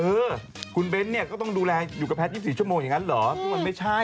เออคุณเบ้นเนี่ยก็ต้องดูแลอยู่กับแพทย์๒๔ชั่วโมงอย่างนั้นเหรอเพราะมันไม่ใช่